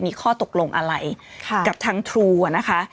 มีข้อตกลงอะไรกับทางทรูนะคะ